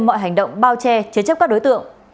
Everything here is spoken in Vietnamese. mọi hành động bao che chế chấp các đối tượng